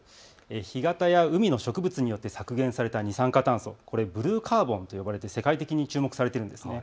干潟や海の植物によって削減された二酸化炭素、これ、ブルーカーボンと呼ばれ世界的に注目されているんです。